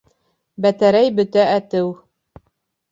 Бәтәрәй бөтә әтеү.